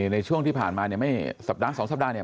ในช่วงที่ผ่านมาสัปดาห์๒สัปดาห์เนี่ย